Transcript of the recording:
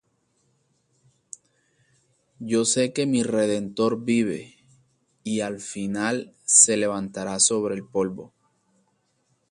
Yo sé que mi Redentor vive, Y al fin se levantará sobre el polvo: